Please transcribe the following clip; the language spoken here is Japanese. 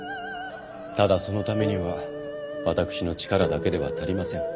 ただそのためには私の力だけでは足りません。